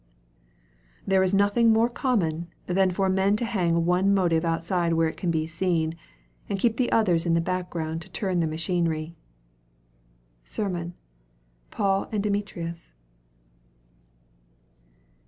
There is nothing more common than for men to hang one motive outside where it can be seen, and keep the others in the background to turn the machinery. SERMON: 'Paul and Demetrius.'